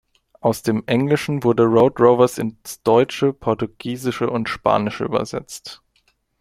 Aus dem Englischen wurde "Road Rovers" ins Deutsche, Portugiesische und Spanische übersetzt.